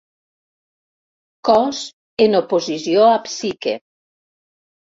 Cos, en oposició a psique.